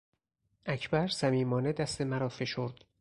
اکبر صمیمانه دست مرا فشرد.